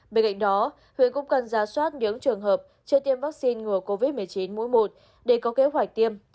bên cạnh đó huyện cũng cần ra soát những trường hợp chưa tiêm vaccine ngừa covid một mươi chín mũi một để có kế hoạch tiêm